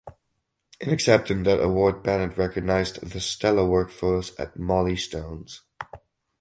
In accepting that award Bennett recognized the stellar workforce at Mollie Stone’s.